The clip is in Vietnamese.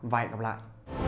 và hẹn gặp lại